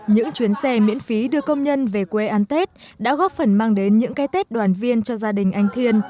những chuyến xe miễn phí đưa công nhân về quê ăn tết đã góp phần mang đến những cái tết đoàn viên cho gia đình anh thiên